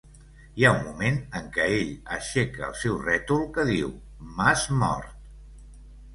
Hi ha un moment en què ell aixeca el seu rètol, que diu "M'has mort".